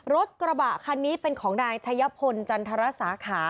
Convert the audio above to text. รถกระบะคันนี้เป็นของนายชัยพลจันทรสาขา